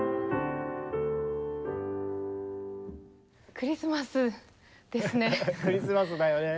クリスマスだよね。